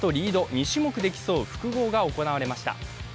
２種目で競う複合が行われました。